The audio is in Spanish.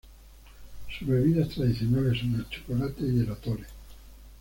Sus bebidas tradicionales son el chocolate y el atole.